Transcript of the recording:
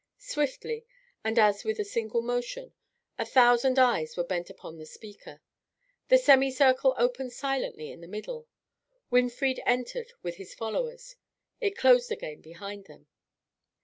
Swiftly, and as with a single motion, a thousand eyes were bent upon the speaker. The semicircle opened silently in the middle; Winfried entered with his followers; it closed again behind them.